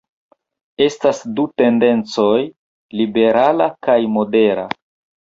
Estas du tendencoj: liberala kaj modera.